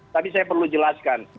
tapi saya perlu jelaskan